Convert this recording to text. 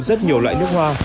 rất nhiều loại nước hoa